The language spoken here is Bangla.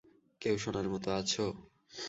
কেউ শোনার মতো আছো?